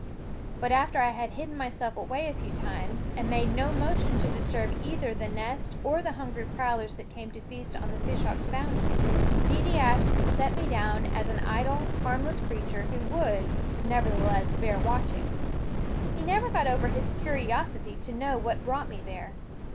But after I had hidden myself away a few times, and made no motion to disturb either the nest or the hungry prowlers that came to feast on the fish hawks' bounty, Deedeeaskh set me down as an idle, harmless creature who would, never theless, bear watching. He never got over his curiosity to know what brought me there.